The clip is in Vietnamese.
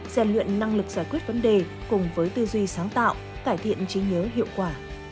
dàn luyện năng lực giải quyết vấn đề cùng với tư duy sáng tạo cải thiện trí nhớ hiệu quả